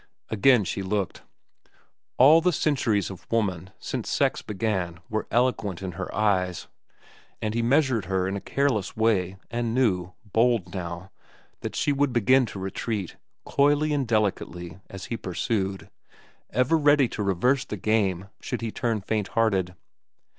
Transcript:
Again she looked. All the centuries of woman since sex began were eloquent in her eyes. And he measured her in a careless way, and knew, bold now, that she would begin to retreat, coyly and delicately, as he pursued, ever ready to reverse the game should he turn fainthearted.